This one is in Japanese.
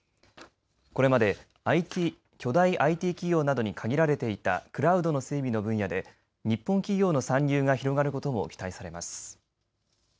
これまで巨大ＩＴ企業などに限られていたクラウドの整備の分野で日本企業の参入が広がることも期待されます。